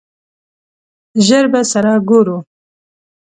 ژر به سره ګورو!